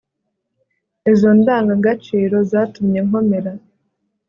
izo ndangagaciro zatumye nkomera